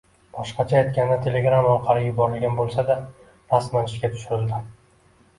Boshqacha aytganda, u telegram orqali yuborilgan bo'lsa -da, rasman ishga tushirildi